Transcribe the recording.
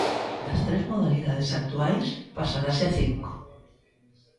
Das tres modalidades actuais pasarase a cinco.